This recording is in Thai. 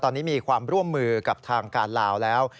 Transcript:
ตอนนี้มีความร่วมมือกับทางการลาวแล้ว